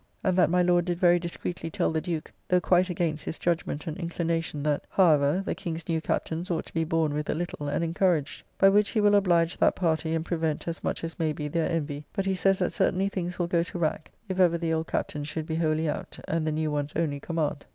And that my Lord did very discreetly tell the Duke (though quite against his judgement and inclination), that, however, the King's new captains ought to be borne with a little and encouraged. By which he will oblige that party, and prevent, as much as may be, their envy; but he says that certainly things will go to rack if ever the old captains should be wholly out, and the new ones only command.